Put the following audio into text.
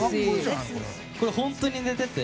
これは本当に寝てて。